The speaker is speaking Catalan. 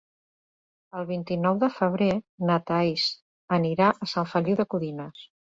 El vint-i-nou de febrer na Thaís anirà a Sant Feliu de Codines.